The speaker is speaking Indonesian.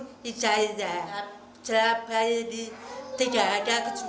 tertentu anak anak diharapkan mengajar anak anak dengan kemampuan menghafal dan menangani kehidupan